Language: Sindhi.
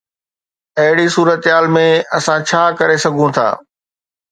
اهڙي صورتحال ۾ اسان ڇا ڪري سگهون ٿا؟